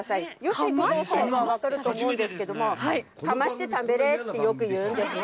吉さんもなさると思うんですけど、かまして食べれってよく言うんですよね。